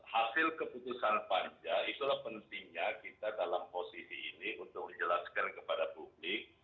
hasil keputusan panja itulah pentingnya kita dalam posisi ini untuk menjelaskan kepada publik